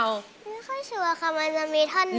ไม่ค่อยชัวร์ค่ะมันจะมีท่อนนี้